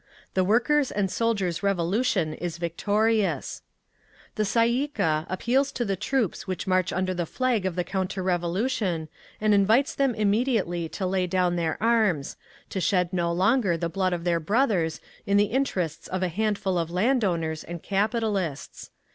The Workers' and Soldiers' Revolution is victorious…. "The Tsay ee kah appeals to the troops which march under the flag of the counter revolution, and invites them immediately to lay down their arms—to shed no longer the blood of their brothers in the interests of a handful of land owners and capitalists.